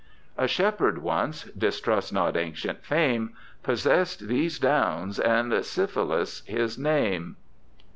A shepherd once (distrust not ancient fame) Possest these downs, and Syphilus his name.